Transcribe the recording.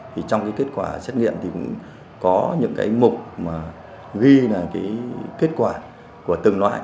thì trong cái kết quả xét nghiệm thì cũng có những cái mục mà ghi là cái kết quả của từng loại